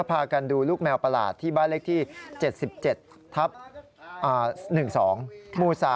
พากันดูลูกแมวประหลาดที่บ้านเลขที่๗๗ทับ๑๒หมู่๓